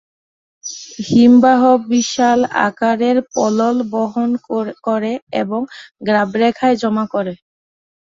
হিমবাহ বিশাল আকারের পলল বহন করে এবং গ্রাবরেখায় জমা করে।